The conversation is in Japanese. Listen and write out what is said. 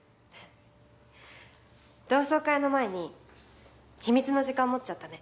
同窓会の前に秘密の時間持っちゃったね。